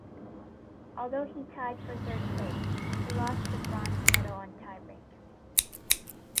Although he tied for third place, he lost the bronze medal on tiebreak.